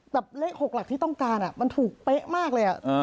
เลข๖หลักที่ต้องการมันถูกเป๊ะมากเลย